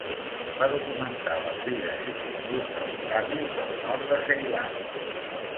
Va documentar les vides i costums dels tàmils del nord de Ceilan.